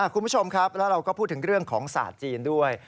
คุณผู้ชมครับแล้วเราก็พูดถึงเรื่องของศาสตร์จีนด้วย